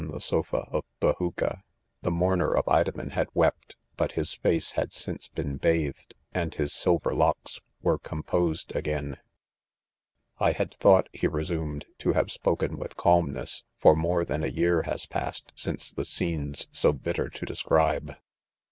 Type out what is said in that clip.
the sqfa of bajuca. . The mourner. of Idoraen ba'dwepk bu£ his face had since, been bathed, and 'his silver locks . were composed again. " I had thought," he ^resumed,, "'to ^'have; spokep:, : wi|h calmn^ss^ for more than a year has passed since the scenes so bitter to describe.